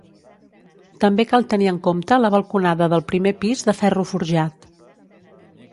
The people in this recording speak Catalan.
També cal tenir en compte la balconada del primer pis de ferro forjat.